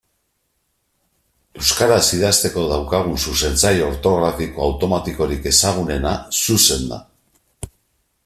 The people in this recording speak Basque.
Euskaraz idazteko daukagun zuzentzaile ortografiko automatikorik ezagunena Xuxen da.